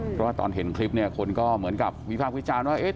เพราะว่าตอนเห็นคลิปเนี่ยคนก็เหมือนกับวิพากษ์วิจารณ์ว่า